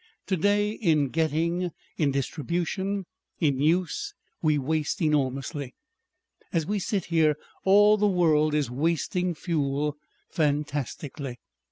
To day, in getting, in distribution, in use we waste enormously....As we sit here all the world is wasting fuel fantastically."